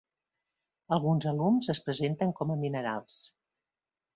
Alguns alums es presenten com a minerals.